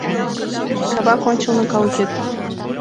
Кабак ончылно калыкет.